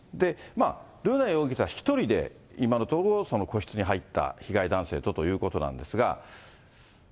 瑠奈容疑者１人で今のところ個室に入った、被害男性とということなんですが。